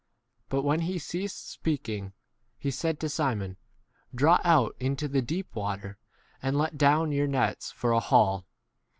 But when he ceased speaking, he said to Simon, Draw out into the deep [water] and let 5 down your nets for a haul.